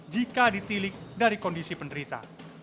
jika ditilik dari kondisi penderita